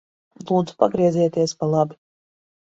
Lūdzu pagriezieties pa labi.